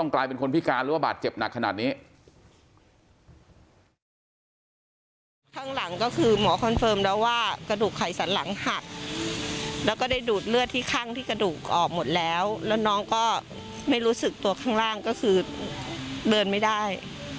หมอคอนเฟิร์มแล้วว่ากระดูกไขสันหลังหักแล้วก็ได้ดูดเลือดที่ข้างที่กระดูกออกหมดแล้วแล้วน้องก็ไม่รู้สึกตัวข้างล่างก็คือเดินไม่ได้